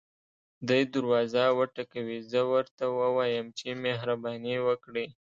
دی دروازه وټکوي زه ورته ووایم چې مهرباني وکړئ.